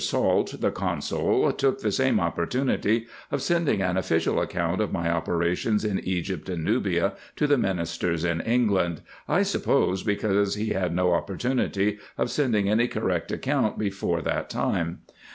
Salt, the consul, took the same opportunity of sending an official account of my operations in Egypt and Nubia to the ministers in England, I suppose because he had no opportunity of sending any correct account before that time.